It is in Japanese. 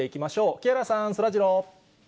木原さん、そらジロー。